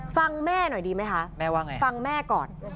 ฟังแม่หน่อยดีไหมคะฟังแม่ก่อน